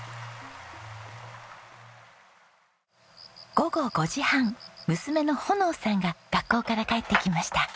午後５時半娘の穂の生さんが学校から帰ってきました。